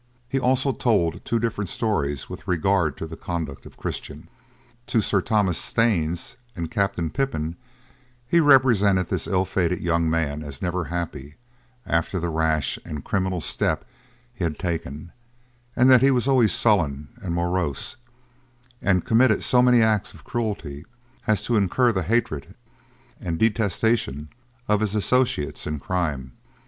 He also told two different stories with regard to the conduct of Christian. To Sir Thomas Staines and Captain Pipon, he represented this ill fated young man as never happy, after the rash and criminal step he had taken, and that he was always sullen and morose, and committed so many acts of cruelty, as to incur the hatred and detestation of his associates in crime.